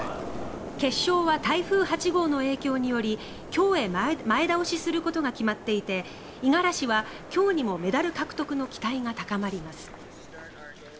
決勝は台風８号の影響により今日へ前倒しすることが決まっていて五十嵐は今日にもメダル獲得の期待が高まります。